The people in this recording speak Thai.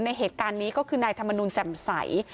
เหตุการณ์นี้ก็คือนายธรรมนุนแจ่มใส